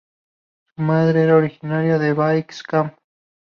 Su madre era originaria del Baix Camp.